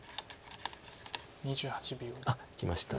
あっいきました。